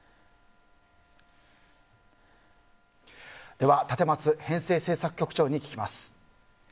では、立松編成制作局長に聞きます。